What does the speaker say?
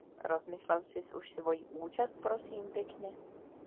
Rozmyslel sis už svoji účast prosím pěkně?